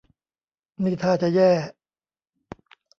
นี่ท่าจะแย่